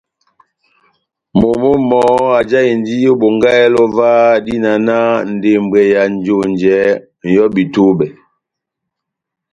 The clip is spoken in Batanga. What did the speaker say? Momó mɔhɔ́ ajáhindi ó Bongáhɛlɛ óvah, dína náh ndembwɛ ya njonjɛ, ŋ’hɔ́bi túbɛ́.